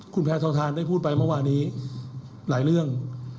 คุณแพทองทานได้พูดไปเมื่อวานี้หลายเรื่อง